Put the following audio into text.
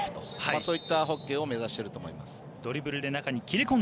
そういったホッケーを目指しています。